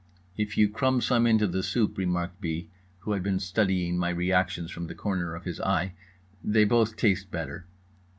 "If you crumb some into the soup," remarked B., who had been studying my reactions from the corner of his eye, "they both taste better."